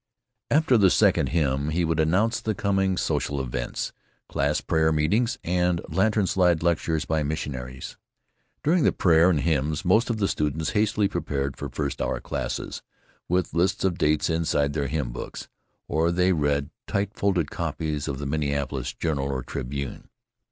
After the second hymn he would announce the coming social events—class prayer meetings and lantern slide lectures by missionaries. During the prayer and hymns most of the students hastily prepared for first hour classes, with lists of dates inside their hymn books; or they read tight folded copies of the Minneapolis Journal or Tribune.